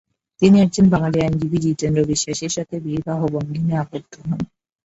তিনি একজন বাঙালি আইনজীবী জিতেন্দ্র বিশ্বাসের সাথে বিবাহবন্ধনে আবদ্ধ হন।